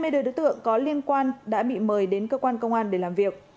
hai mươi đôi đối tượng có liên quan đã bị mời đến cơ quan công an để làm việc